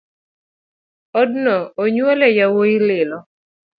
Odno onyuole yawuoi lilo